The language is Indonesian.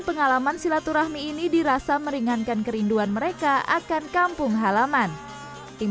pengalaman silaturahmi ini dirasa meringankan kerinduan mereka akan kampung halaman tim